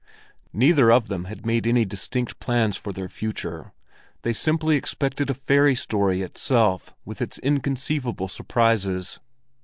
Neither of them had made any distinct plans for their future; they simply expected a fairy story itself with its inconceivable surprises.